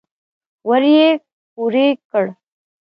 ور يې پورې کړ.